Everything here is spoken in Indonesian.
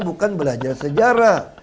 bukan belajar sejarah